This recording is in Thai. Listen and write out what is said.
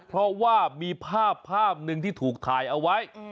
เพราะว่ามีภาพภาพหนึ่งที่ถูกถ่ายเอาไว้